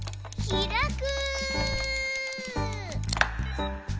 ひらく。